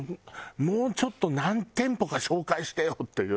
もうちょっと何店舗か紹介してよっていう。